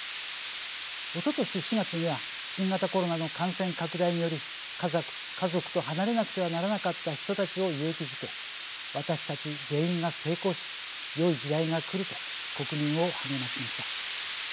おととし４月には新型コロナの感染拡大により家族と離れなくてはならなかった人たちを勇気づけ私たち全員が成功しよい時代が来ると国民を励ましました。